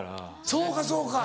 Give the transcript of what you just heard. そうかそうか。